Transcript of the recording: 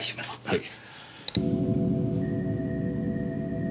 はい。